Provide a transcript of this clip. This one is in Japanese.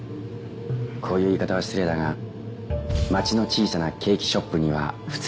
こういう言い方は失礼だが街の小さなケーキショップには不釣り合いです。